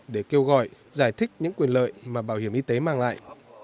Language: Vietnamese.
để kêu gọi giải thích những quyền lợi mà bảo hiểm y tế mang lại